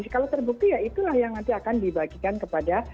kalau terbukti ya itulah yang nanti akan dibagikan kepada